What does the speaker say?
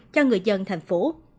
cho người dân thành phố